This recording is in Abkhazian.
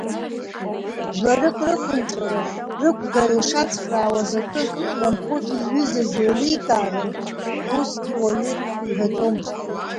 Жәларык рықәынҵәара, рықәгара ишацхраауаз атәы Рамхәыҭ иҩызаз еиликаарын ҳәа усгьы уаҩы иҳәаӡомызт.